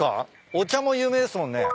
お茶も有名ですもんね。